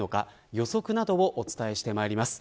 予測などをお伝えしてまいります。